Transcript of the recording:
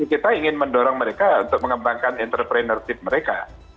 kita ingin mendorong mereka untuk mengembangkan entrepreneurship mereka